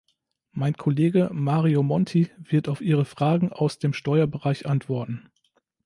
Mein Kollege Mario Monti wird auf Ihre Fragen aus dem Steuerbereich antworten.